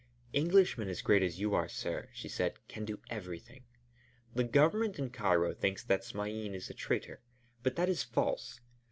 "Englishmen as great as you are, sir," she said, "can do everything. The Government in Cairo thinks that Smain is a traitor, but that is false.